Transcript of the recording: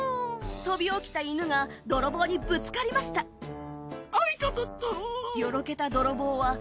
飛び起きた犬が泥棒にぶつかりましたアイタタタ。